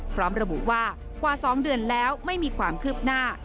พร้อมระบุว่ากว่า๒เดือนแล้วไม่มีความคืบหน้า